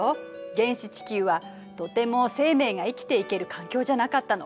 原始地球はとても生命が生きていける環境じゃなかったの。